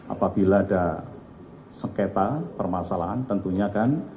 apabila ada sengketa permasalahan tentunya kan